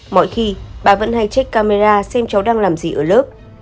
mọi khi bà vẫn hay trích camera xem cháu đang làm gì ở lớp